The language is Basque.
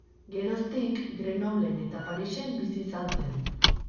Geroztik, Grenoblen eta Parisen bizi izan zen.